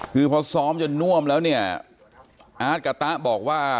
คือพอซ้อมจนน่วมแล้วเนี่ยอาร์ตกับตะบอกว่า